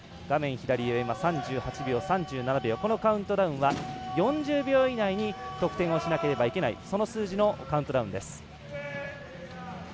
左上のカウントダウンは４０秒以内に得点しなければいけないその数字のカウントダウンです。